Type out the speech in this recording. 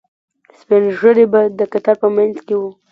سپینږیري به د کتار په منځ کې وو.